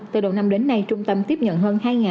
từ đầu năm đến nay trung tâm tiếp nhận hơn